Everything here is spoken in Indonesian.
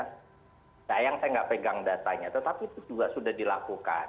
sayang saya nggak pegang datanya tetapi itu juga sudah dilakukan